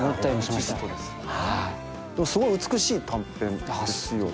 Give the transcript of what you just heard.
すごい美しい短編ですよね。